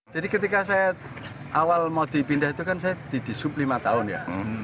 jadi ketika saya awal mau dipindah itu kan saya didisub lima tahun ya